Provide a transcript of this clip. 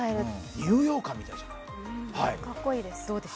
ニューヨーカーみたいじゃない。